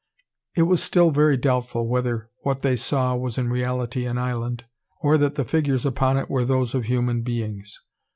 It was still very doubtful whether what they saw was in reality an island, or that the figures upon it were those of human beings.